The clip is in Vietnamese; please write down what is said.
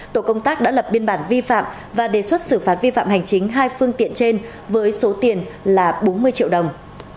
tổ công tác đã lập biên bản vi phạm và đề xuất xử phạt vi phạm hành chính hai phương tiện trên với số tiền là bốn mươi triệu đồng